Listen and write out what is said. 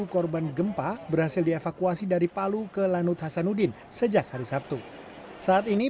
satu korban gempa berhasil dievakuasi dari palu ke lanut hasanuddin sejak hari sabtu saat ini